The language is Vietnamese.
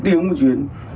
một tiếng một chuyến